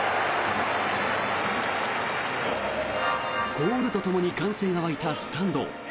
コールとともに歓声が沸いたスタンド。